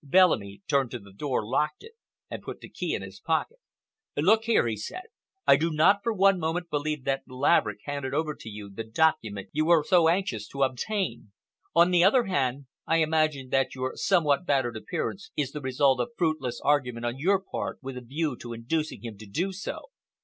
Bellamy turned to the door, locked it, and put the key in his pocket. "Look here," he said, "I do not for one moment believe that Laverick handed over to you the document you were so anxious to obtain. On the other hand, I imagine that your somewhat battered appearance is the result of fruitless argument on your part with a view to inducing him to do so.